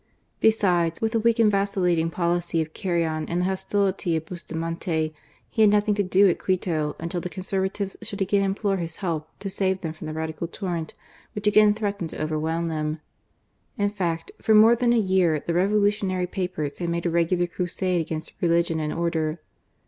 Besides, with the weak and vacillating policy of Carrion and the hostility of Bustamante, he had nothing to do at Quito until the Conservatives should again implore his help to THE FALL OF PRESIDENT CARRION. 179 save them from the Radical torrent which again threatened to overwhelm them. In fact, for more than a year the revolutionary papers had made a regular crusade against religion and order.